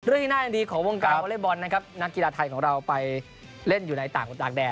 เรื่อยหน้าอย่างดีของวงการวอเล็กบอลนักกีฬาไทยของเราไปเล่นอยู่ในต่างหรือต่างแดน